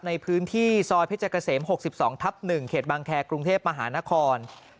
ในพื้นที่ซอยเพชรเกษมหกสิบสองทับหนึ่งเขตบางแครกรุงเทพมหานคร